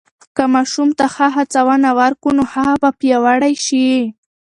که ماشوم ته ښه هڅونه ورکو، نو هغه به پیاوړی شي.